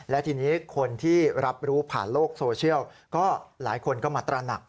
และทีนี้คนที่รับรู้ผ่านโลกโซเชียลก็หลายคนก็มาตระหนัก